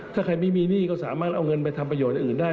ถ้าใครไม่มีหนี้ก็สามารถเอาเงินไปทำประโยชน์อย่างอื่นได้